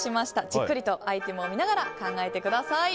じっくりとアイテムを見ながら考えてください。